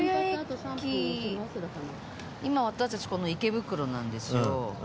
今私たちこの池袋なんですよ。